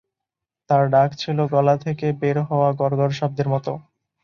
তার ডাক ছিল গলা থেকে বের হওয়া "গড়গড়" শব্দের মত।